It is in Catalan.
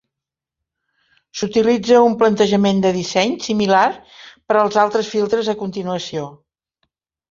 S'utilitza un plantejament de disseny similar per als altres filtres a continuació.